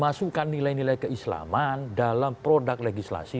masukkan nilai nilai keislaman dalam produk legislasi